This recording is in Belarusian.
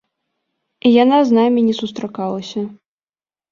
Яна з намі не сустракалася.